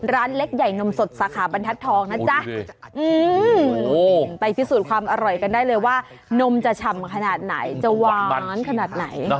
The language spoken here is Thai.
ร้านเล็กใหญ่นมสดสาขาบรรทัศน์ทองนะจ๊ะไปพิสูจน์ความอร่อยกันได้เลยว่านมจะฉ่ำขนาดไหนจะหวานขนาดไหน